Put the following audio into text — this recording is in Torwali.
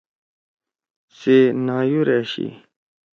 سے نایور أشی۔